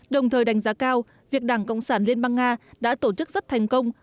đồng thời đánh giá cao việc đảng cộng sản liên bang nga đã tổ chức rất thành công